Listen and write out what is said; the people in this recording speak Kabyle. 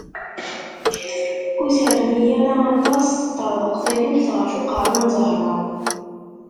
Ur terni ara aṭas, teṭṭarḍaq taluft ɣer uqerrun n Zahra.